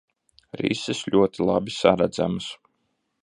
Rises ļoti labi saredzamas.